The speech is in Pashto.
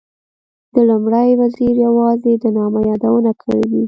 د لومړي وزیر یوازې د نامه یادونه کېږي.